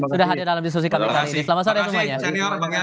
sudah hadir dalam diskusi kami kali ini selamat sore semuanya